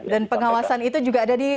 dan pengawasan itu juga ada di